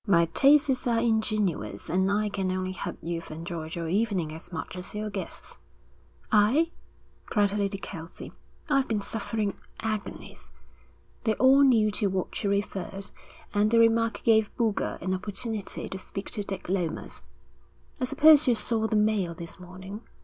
'My tastes are ingenuous, and I can only hope you've enjoyed your evening as much as your guests.' 'I?' cried Lady Kelsey. 'I've been suffering agonies.' They all knew to what she referred, and the remark gave Boulger an opportunity to speak to Dick Lomas. 'I suppose you saw the Mail this morning?'